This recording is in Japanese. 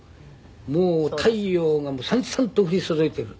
もう太陽がさんさんと降り注いでいる。